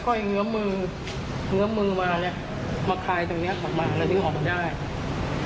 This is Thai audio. ไอ้เงื้อมือเงื้อมือมาเนี้ยมาคลายตรงเนี้ยออกมาแล้วถึงออกมาได้